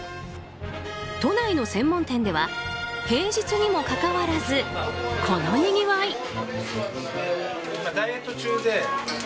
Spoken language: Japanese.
都内の専門店では平日にもかかわらずこのにぎわい。